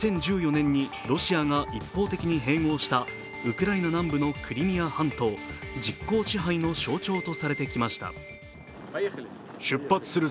２０１４年にロシアが一方的に併合したウクライナ南部のクリミア半島実効支配の象徴とされてきました。